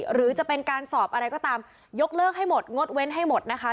หรือจะเป็นการสอบอะไรก็ตามยกเลิกให้หมดงดเว้นให้หมดนะคะ